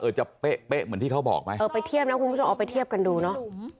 จะเป๊ะเป๊ะเหมือนที่เขาบอกไหมเออไปเทียบนะคุณผู้ชมเอาไปเทียบกันดูเนอะ